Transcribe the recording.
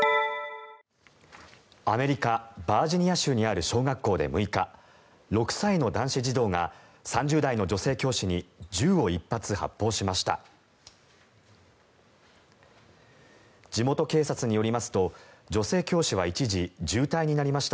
アメリカ・バージニア州にある小学校で６日６歳の男子児童が３０代の女性教師に銃を１発発砲しました。